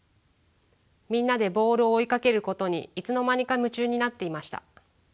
みんなでボールを追いかけることにいつの間にか夢中になっていました。